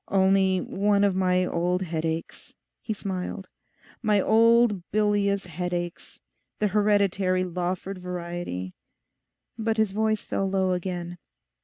'Only one of my old headaches,' he smiled, 'my old bilious headaches—the hereditary Lawford variety.' But his voice fell low again.